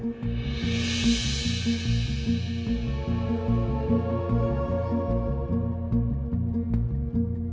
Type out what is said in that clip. tertinggal aut farah